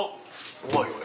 うまいよね。